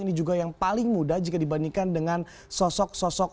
ini juga yang paling mudah jika dibandingkan dengan sosok sosok